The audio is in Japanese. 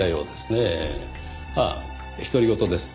ああ独り言です。